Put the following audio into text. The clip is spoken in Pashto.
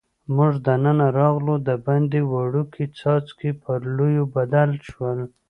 موږ دننه راغلو، دباندې وړوکي څاڅکي پر لویو بدل شول.